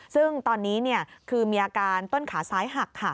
ซึ่งตอนนี้คือมีอาการต้นขาซ้ายหัก